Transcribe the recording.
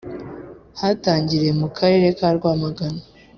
yatangiriye mu karere ka rwamagana